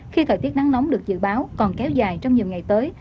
khi thời tiết nắng nóng được dự báo còn kéo dài trong nhiều ngày tới